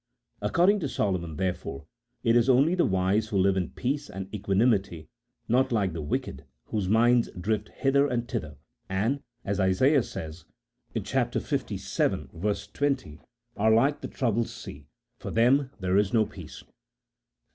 According to Solomon, therefore, it is only the wise who live in peace and equa nimity, not like the wicked whose minds drift hither and thither, and (as Isaiah says, chap. lvii. 20) " are like the troubled sea, for them there is no peace."